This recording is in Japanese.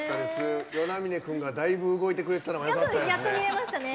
与那嶺君がだいぶ動いてくれてたのがよかったですね。